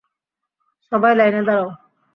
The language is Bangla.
সবাই লাইনে দাঁড়াও।